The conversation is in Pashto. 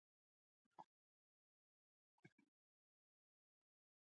راکټ د فزیک د اصولو کارونه ښيي